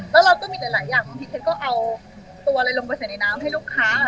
แล้วเราก็มีหลายอย่างบางทีเพชรก็เอาตัวอะไรลงไปใส่ในน้ำให้ลูกค้า